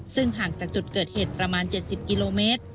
ซึ่งห่างจากจุดเกิดเหตุประมาณ๗๐กิโลเมตร